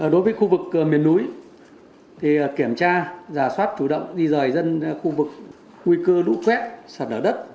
đối với khu vực miền núi thì kiểm tra giả soát chủ động đi rời dân khu vực nguy cơ lũ quét sạt lở đất